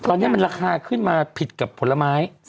ตอนนี้มันราคาขึ้นมาผิดกับผลไม้